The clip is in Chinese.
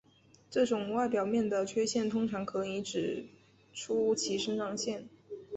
这种外表面的缺陷通常可以指出其生长线。